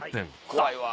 怖いわ。